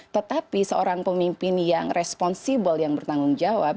tetapi seorang pemimpin yang responsibel yang bertanggung jawab